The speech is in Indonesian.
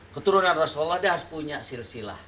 keturunan rasulullah dia harus punya silsilah